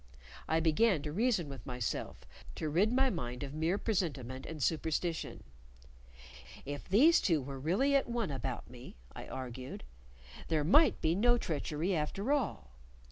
I began to reason with myself, to rid my mind of mere presentiment and superstition. If these two really were at one about me (I argued) there might be no treachery after all.